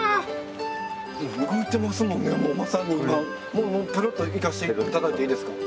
もうペロッといかせて頂いていいですか？